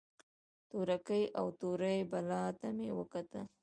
تورکي او تورې بلا ته مې وکتل.